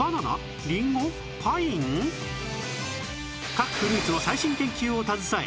各フルーツの最新研究を携え